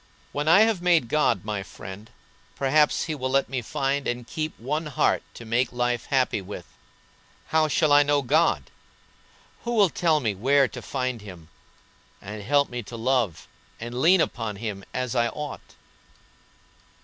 When I have made God my friend perhaps He will let me find and keep one heart to make life happy with. How shall I know God? Who will tell me where to find Him, and help me to love and lean upon Him as I ought?"